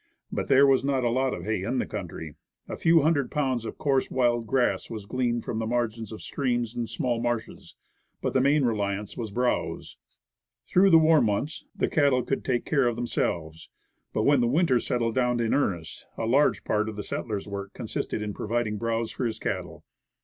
But "there was not a ton of hay in the country. A few hundred pounds of coarse wild grass was gleaned from the margins of streams and small marshes; but the main reliance was "browse." Through the warm months the cattle could take care of themselves ; but, when winter settled down in earnest, a large part of the settler's work consisted in providing browse for his cattle.